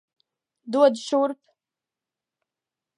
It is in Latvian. Dod šurp!